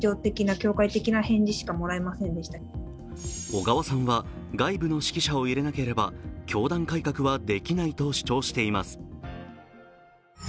小川さんは、外部の識者を入れなければ教団改革はできないと主張しています。